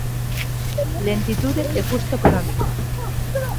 Lentitude e custo económico.